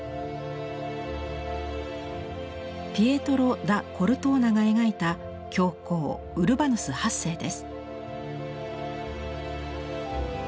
ピエトロ・ダ・コルトーナが描いた教皇ウルバヌス８世です。